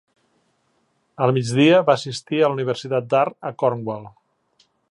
Al migdia va assistir a la universitat d'art a Cornwall.